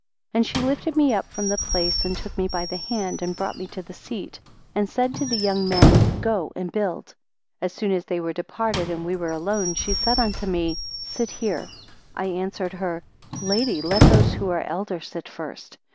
11 And she lifted me up from the place, and took me by the hand, and brought me to the seat; and said to the young men, go, and build. 12 As soon as they were departed, and we were alone, she said unto me; sit here. I answered her; Lady, let those who are elder sit first.